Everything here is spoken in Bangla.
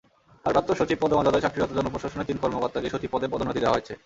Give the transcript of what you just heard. ভারপ্রাপ্ত সচিব পদমর্যাদায় চাকরিরত জনপ্রশাসনের তিনজন কর্মকর্তাকে সচিব পদে পদোন্নতি দেওয়া হয়েছে।